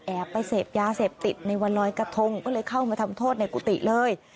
ไปเสพยาเสพติดในวันลอยกระทงก็เลยเข้ามาทำโทษในกุฏิเลย